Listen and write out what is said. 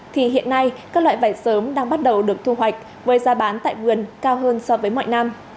thì hiện nay các loại vải sớm đang bắt đầu được thu hoạch với giá bán tại vườn cao hơn so với mọi năm